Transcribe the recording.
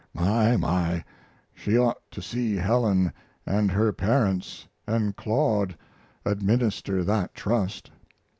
My, my, she ought to see Helen & her parents & Claude administer that trust.